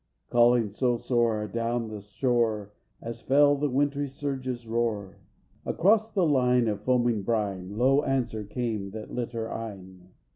(Calling so sore adown the shore, As fell the wintry surge's roar.) Across the line of foaming brine, Low answer came that lit her eyne.